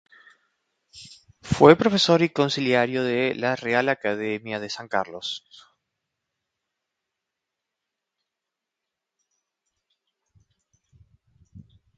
Fue profesor y consiliario de la Real Academia de San Carlos.